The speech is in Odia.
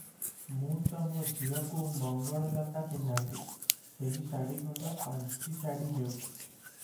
ମୁଁ ତ ମୋ ଝିଅକୁ ମଙ୍ଗଳଲତା ପିନ୍ଧାନ୍ତି, ସେହି ଶାଢ଼ୀ ଖଣ୍ଡ ପାଞ୍ଚି ଶାଢ଼ୀ ହେଉ ।